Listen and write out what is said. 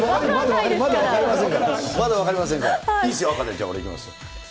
まだ分かりませんから。